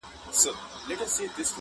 عالمه یو تر بل جارېږی-